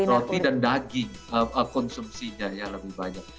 roti dan daging konsumsinya ya lebih banyak